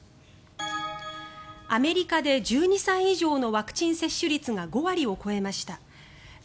アメリカで１２歳以上のワクチン接種率が５割を超えました。